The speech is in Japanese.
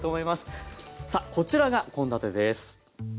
さあこちらが献立です。